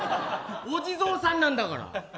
お地蔵さんなんだから。